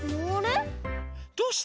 どうして？